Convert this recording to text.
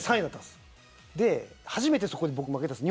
初めてそこで負けたんです。